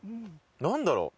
何だろう？